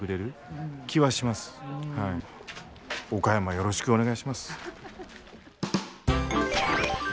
よろしくお願いします。